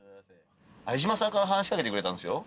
相島さんから話し掛けてくれたんすよ。